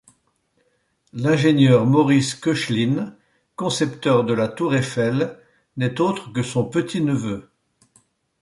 L'ingénieur Maurice Koechlin, concepteur de la tour Eiffel, n'est autre que son petit-neveu.